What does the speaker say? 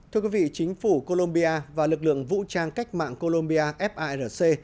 thưa quý vị chính phủ colombia và lực lượng vũ trang cách mạng colombia farc